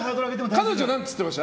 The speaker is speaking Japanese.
彼女何て言ってました？